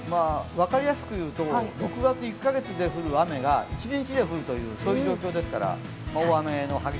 分かりやすく言うと６月１か月で降る雨が一日で降るという状況ですから。